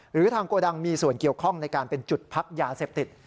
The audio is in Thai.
หรือทางโกดังมีส่วนเกี่ยวข้องในการเป็นจุดพักยาเสพติด